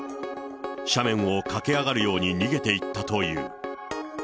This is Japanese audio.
斜面を駆け上がるように逃げていったという。